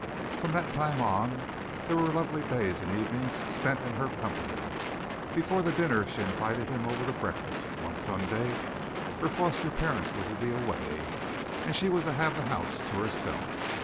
From that time on there were lovely days and evenings spent in her company. Before the dinner she invited him over to breakfast one Sunday. Her foster parents were to be away and she was to have the house to herself.